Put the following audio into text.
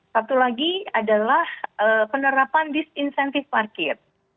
satu lagi adalah penerapan disinsentif parkir